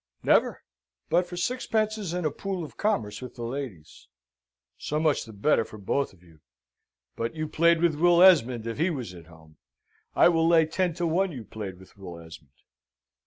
"Never, but for sixpences and a pool of commerce with the ladies." "So much the better for both of you. But you played with Will Esmond if he was at home? I will lay ten to one you played with Will Esmond."